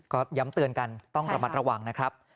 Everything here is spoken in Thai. ก็ย้ำเตือนกันต้องระมัดระวังนะครับ